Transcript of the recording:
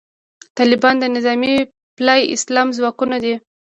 طالبان د نظامي پالي اسلام ځواکونه دي.